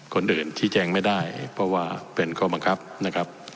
คนเป็นอื่นชี้แจ้งไม่ได้เพราะว่าเป็นโครงกรรมครับนะครับ